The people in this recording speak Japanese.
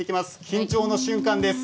緊張の瞬間です。